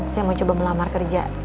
saya mau coba melamar kerja